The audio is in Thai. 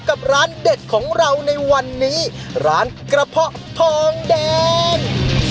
กับร้านเด็ดของเราในวันนี้ร้านกระเพาะทองแดง